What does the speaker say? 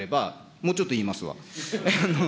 もうちょっと言いますわ。